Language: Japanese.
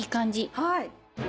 はい。